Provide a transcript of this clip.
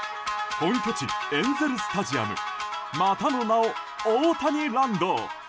本拠地エンゼル・スタジアムまたの名をオオタニランド。